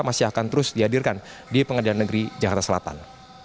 masih akan terus dihadirkan di pengadilan negeri jakarta selatan